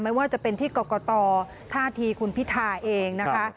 ไม่ว่าจะเป็นที่กรกตท่าทีคุณพิธาเองนะคะ